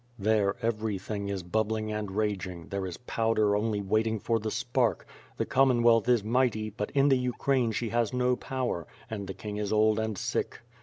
There, everything is bubbling and raging, there is powder only waiting for the spark; the Commonwealth is mighty, but in the Ukraine she has no power, and the king is old and sick.